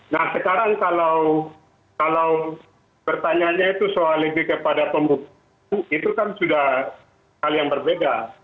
nah sekarang kalau pertanyaannya itu soal lebih kepada pembuktian itu kan sudah hal yang berbeda